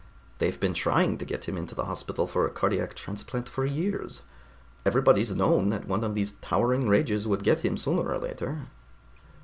"They've been trying to get him into the hospital for a cardiac transplant for years. Everybody's known that one of those towering rages would get him sooner or later."